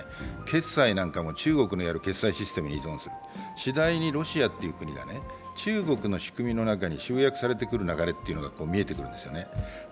決済なんかも中国に依存する、しだいにロシアという国は中国の仕組みの中に集約されてくる流れというのが見えてくるんですね。